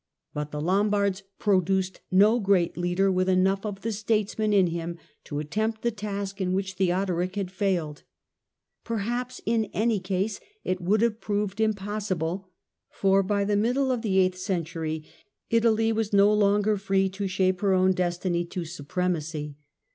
But the Lombards produced no great leader with enough of the statesman in him to attempt the task in which Theodoric had failed. Perhaps in any case it would have proved impossible, for by the middle of the eighth century Italy was no longer free to shape INTRODUCTION 5 | her own destiny to supremacy.